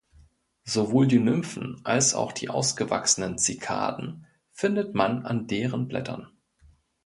Sowohl die Nymphen als auch die ausgewachsenen Zikaden findet man an deren Blättern.